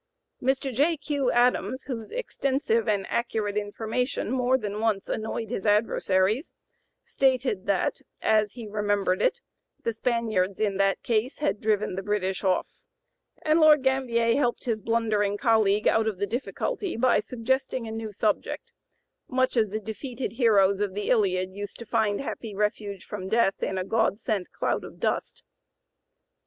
'" Mr. J. Q. Adams, whose extensive and accurate information more than once annoyed his adversaries, stated that, as he remembered it, "the Spaniards in that case had driven the British off," and Lord Gambier helped his blundering colleague out of the difficulty by suggesting a new subject, much as the defeated heroes of the Iliad used to find happy refuge from death in a god sent cloud of dust.